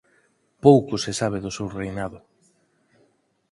Pouco se sabe do seu reinado.